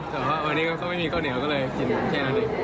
แต่ว่าวันนี้ก็ไม่มีข้าวเหนียวก็เลยกินแค่นั้นเอง